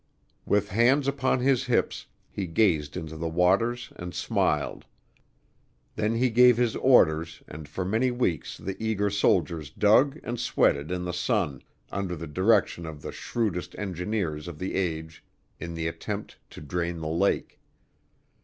With hands upon his hips, he gazed into the waters and smiled. Then he gave his orders and for many weeks the eager soldiers dug and sweated in the sun under the direction of the shrewdest engineers of the age in the attempt to drain the lake.